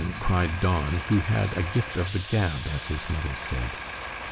cried Don, who had a "gift of the gab," as his mother said.